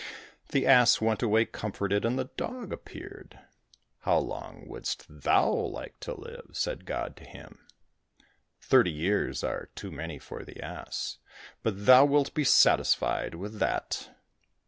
The ass went away comforted, and the dog appeared. "How long wouldst thou like to live?" said God to him. "Thirty years are too many for the ass, but thou wilt be satisfied with that."